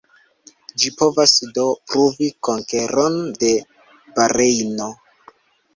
Ĝi povas do pruvi konkeron de Barejno.